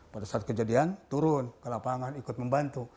pada saat kejadian turun ke lapangan ikut membantu